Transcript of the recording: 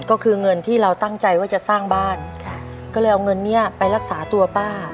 ก็คือเงินที่เราตั้งใจว่าจะสร้างบ้านค่ะก็เลยเอาเงินเนี้ยไปรักษาตัวป้า